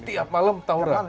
tiap malam tawuran